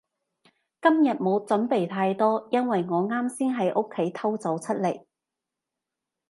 今日冇準備太多，因為我啱先喺屋企偷走出嚟